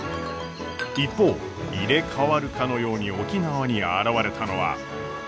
一方入れ代わるかのように沖縄に現れたのは。